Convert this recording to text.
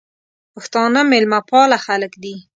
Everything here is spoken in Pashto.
پښتانه مېلمه پاله خلګ دي.